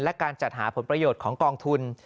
และการจัดหาผลประโยชน์ของกองทุน